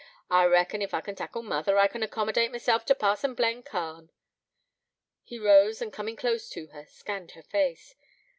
I reckon ef I can tackle mother, I can accommodate myself t' parson Blencarn.' He rose, and coming close to her, scanned her face.